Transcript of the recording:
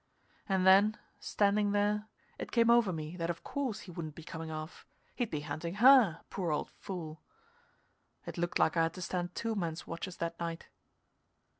And then, standing there, it came over me that of course he wouldn't be coming off he'd be hunting her, poor old fool. It looked like I had to stand two men's watches that night.